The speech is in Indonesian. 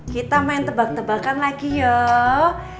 kita main tebak tebakan lagi yuk